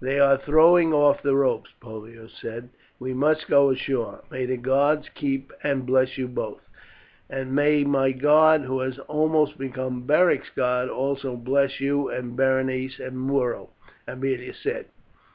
"They are throwing off the ropes," Pollio said; "we must go ashore. May the gods keep and bless you both!" "And may my God, who has almost become Beric's God, also bless you and Berenice and Muro!" Aemilia said.